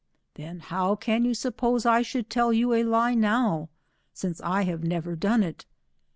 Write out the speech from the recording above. " Then how can yon suppose I should tell you a lie now, since I have never done it."